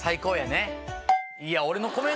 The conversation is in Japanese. いや。